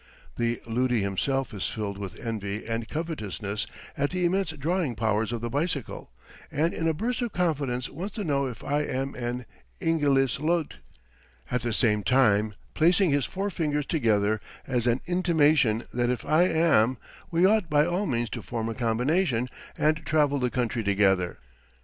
The luti himself is filled with envy and covetousness at the immense drawing powers of the bicycle; and in a burst of confidence wants to know if I am an "Ingilis lut;" at the same time placing his forefingers together as an intimation that if I am we ought by all means to form a combination and travel the country together.